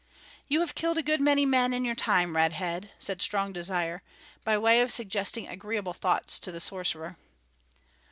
"You have killed a good many men in your time, Red Head," said Strong Desire, by way of suggesting agreeable thoughts to the sorcerer.